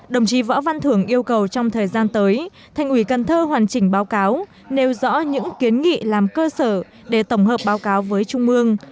đồng chí võ văn thưởng yêu cầu trong thời gian tới thành ủy cần thơ hoàn chỉnh báo cáo nêu rõ những kiến nghị làm cơ sở để tổng hợp báo cáo với trung mương